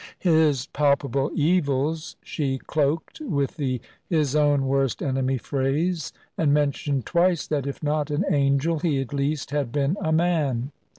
His palpable evils she cloaked with the "his own worst enemy" phrase; and mentioned twice that, if not an angel, he at least had been a man.